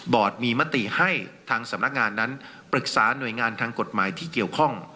มีมติให้ทางสำนักงานนั้นปรึกษาหน่วยงานทางกฎหมายที่เกี่ยวข้อง